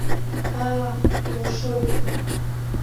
Аа, илашоит!